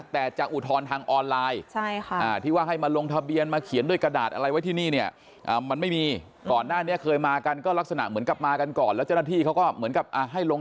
แต่จากอุทธรณ์ทางออนไลน์